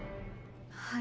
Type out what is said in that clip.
はい。